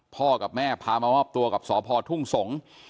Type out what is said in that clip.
พ่อกับแม่พามามอบตัวกับสพทุ่งสงศ์